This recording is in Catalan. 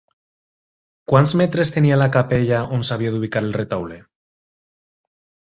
Quants metres tenia la capella on s'havia d'ubicar el retaule?